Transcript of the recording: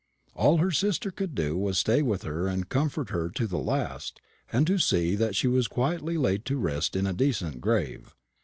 All her sister could do was to stay with her and comfort her to the last, and to see that she was quietly laid to rest in a decent grave.